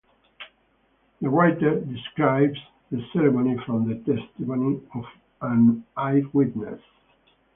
The writer describes the ceremony from the testimony of an eyewitness.